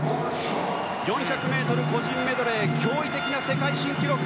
４００ｍ個人メドレーで驚異的な世界新記録。